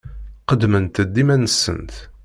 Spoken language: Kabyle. Qeddment-d iman-nsent.